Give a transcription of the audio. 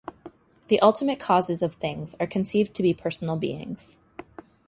The ultimate causes of things are conceived to be personal beings.